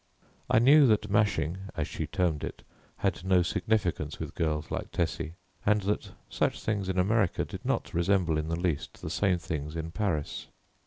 I knew that mashing, as she termed it, had no significance with girls like Tessie, and that such things in America did not resemble in the least the same things in Paris.